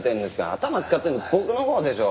頭使ってるの僕のほうでしょ。